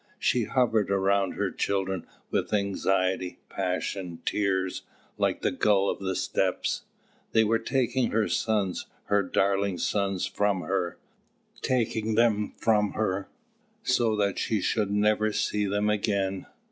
She hovered around her children with anxiety, passion, tears, like the gull of the steppes. They were taking her sons, her darling sons, from her taking them from her, so that she should never see them again!